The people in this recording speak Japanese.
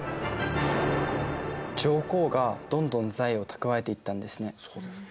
上皇がどんどん財を蓄えていったんですね。